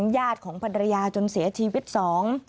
ญาติของพันรยาจนเสียชีวิตสอง